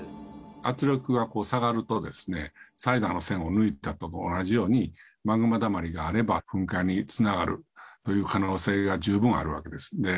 圧力が下がると、サイダーの栓を抜いたのと同じように、マグマだまりがあれば噴火につながるという可能性が十分あるわけです。